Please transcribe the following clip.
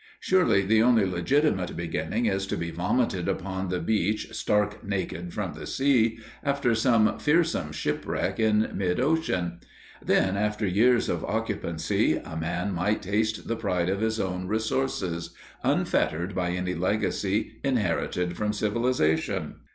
Surely the only legitimate beginning is to be vomited upon the beach stark naked from the sea, after some fearsome shipwreck in mid ocean. Then, after years of occupancy, a man might taste the pride of his own resources, unfettered by any legacy inherited from civilization.